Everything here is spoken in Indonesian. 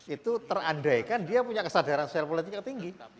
itu terandaikan dia punya kesadaran sosial politik yang tinggi